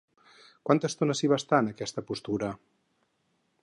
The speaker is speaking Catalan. Quanta estona s'hi va estar, en aquesta postura?